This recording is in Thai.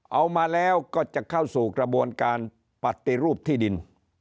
เอามาแล้วก็จะเข้าสู่กระบวนการปฏิรูปที่ดิน